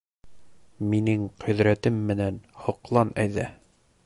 Минең ҡөҙрәтем менән һоҡлан әйҙә!